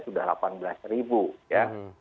sudah delapan belas ribu ya